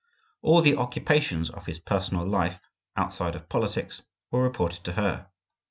All the occupations of his personal life, outside of politics, were reported to her.